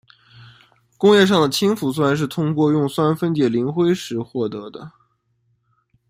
工业上的氢氟酸是通过用酸分解磷灰石获得的。